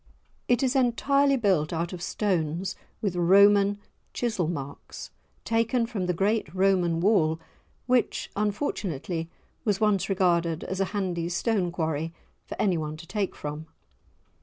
It is entirely built out of stones with Roman chisel marks, taken from the great Roman wall, which unfortunately was once regarded as a handy stone quarry for anyone to take from.